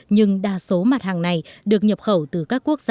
nhưng đa số mặt hàng này được nhập khẩu từ các quốc gia